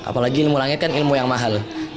apalagi ilmu langit kan ilmu yang mahal